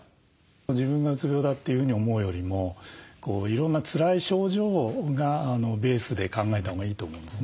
自分がうつ病だというふうに思うよりもいろんなつらい症状がベースで考えたほうがいいと思うんですね。